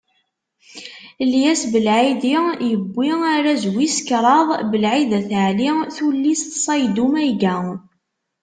Lyes Belɛidi yewwi arraz wis kraḍ Belɛid At Ɛli n tullist Ṣayddu Mayga.